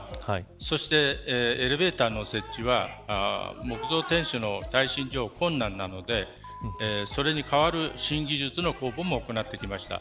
そして、エレベーターの設置は木造天守の耐震上困難なのでそれに代わる新技術の公募も行ってきました。